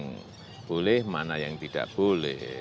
yang boleh mana yang tidak boleh